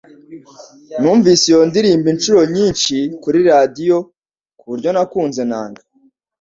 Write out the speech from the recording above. Numvise iyo ndirimbo inshuro nyinshi kuri radio kuburyo nakuze nanga